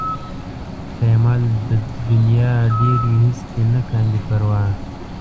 که یې مال د نيا ډېر وي هېڅ دې نه کاندي پروا